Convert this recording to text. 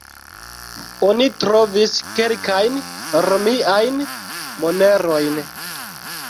Oni trovis kelkajn romiajn monerojn.